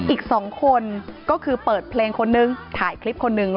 อีก๒คนก็คือเปิดเพลงคนนึงถ่ายคลิปคนนึง